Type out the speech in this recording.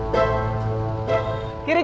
tete aku mau